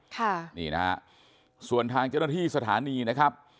ค่ะนี่นะฮะส่วนทางเจ้าหน้าที่สถานีนะครับ